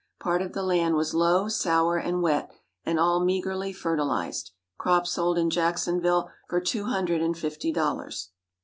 Part of the land was low, sour, and wet, and all meagrely fertilized. Crop sold in Jacksonville for two hundred and fifty dollars.